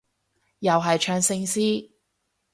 又係唱聖詩？